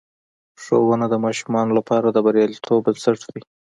ښوونه د ماشومانو لپاره د بریالیتوب بنسټ دی.